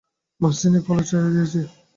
মাস তিনেক হল ছেড়ে দিয়েছি।